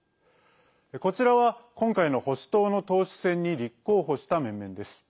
こちらは今回の保守党の党首選に立候補した面々です。